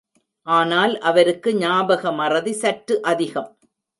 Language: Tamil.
ஆனால், அவருக்கு ஞாபகமறதி சற்று அதிகம்.